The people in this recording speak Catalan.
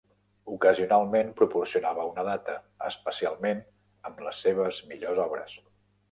Ocasionalment proporcionava una data, especialment amb les seves millors obres.